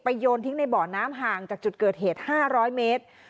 โยนทิ้งในบ่อน้ำห่างจากจุดเกิดเหตุ๕๐๐เมตร